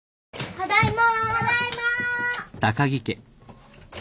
ただいま。